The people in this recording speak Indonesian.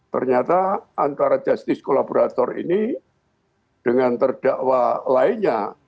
ternyata antara justice kolaborator ini dengan terdakwa lainnya